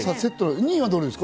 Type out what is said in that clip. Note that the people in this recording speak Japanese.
２位はどれですか？